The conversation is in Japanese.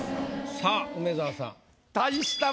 さあ梅沢さん。